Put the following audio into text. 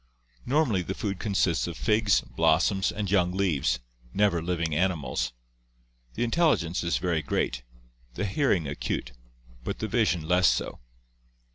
Normally the food consists of figs, blossoms, and young leaves, never living animals. The intelligence is very great, the hearing acute, but the vision less so.